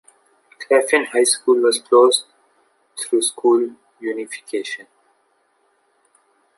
Claflin High School was closed through school unification.